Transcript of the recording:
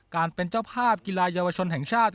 การเป็นเจ้าภาพกีฬาเยาวชนแห่งชาติ